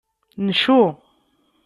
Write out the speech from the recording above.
Ncu.